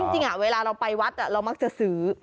จริงเวลาเราไปวัดเรามักจะซื้อ